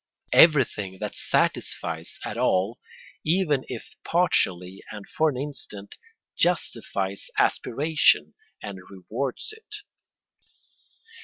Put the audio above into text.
Everything that satisfies at all, even if partially and for an instant, justifies aspiration and rewards it.